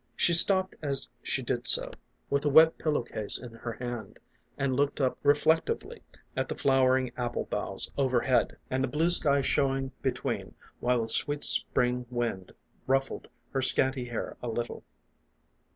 She stopped as she did so, with a wet pil low case in her hand, and looked up reflectively at the flowering apple boughs overhead, and the blue sky showing between, while the sweet spring wind ruffled her scanty hair a little.